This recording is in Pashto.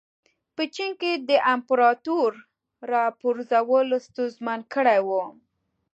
په چین کې د امپراتور راپرځول ستونزمن کړي وو.